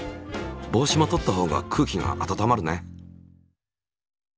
帽子も取った方が空気が温まるね。